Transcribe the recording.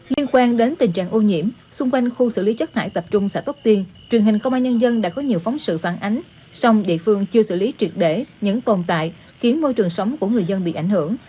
liên quan đến tình trạng ô nhiễm xung quanh khu xử lý chất thải tập trung xả tốc tiên truyền hình không ai nhân dân đã có nhiều phóng sự phản ánh sông địa phương chưa xử lý truyệt để những còn tại khiến môi trường sống của người dân bị ảnh hưởng